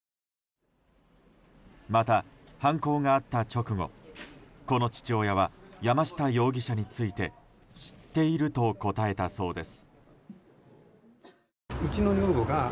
また、犯行があった直後この父親は山下容疑者について知っていると答えたそうです。